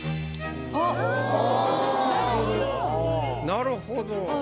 なるほど。